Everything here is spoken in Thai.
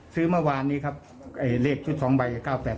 ซื้อเมื่อวานนี้ครับเลขชุด๒ใบ๙๘๘